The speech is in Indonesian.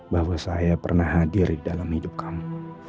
bahwa saya pernah hadir di dalam hidup kamu